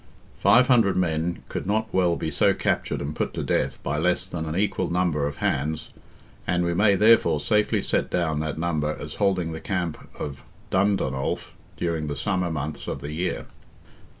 Five hundred men could not well be so captured and put to death by less than an equal number of hands, and we may, therefore, safely set down that number as holding the camp of Dundonolf during the summer months of the year.